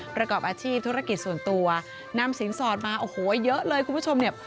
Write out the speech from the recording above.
ประกอบอาชีพธุรกิจส่วนตัวนำสินสอดมาโอ้โหเยอะเลยคุณผู้ชมเนี่ย